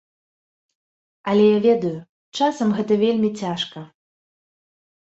Але я ведаю, часам гэта вельмі цяжка.